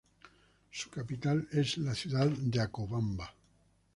Su capital es la ciudad de Acobamba.